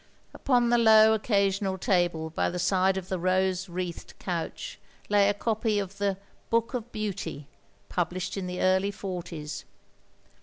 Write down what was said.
Upon the low occasional table by the side of the rose wreathed couch lay a copy of the Book of Beauty^ published in the early forties.